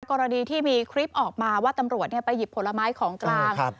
กรณีที่มีคลิปออกมาว่าตำรวจไปหยิบผลไม้ของกลาง